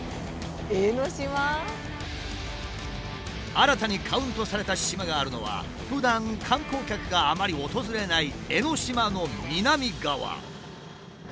新たにカウントされた島があるのはふだん観光客があまり訪れない江の島の南側。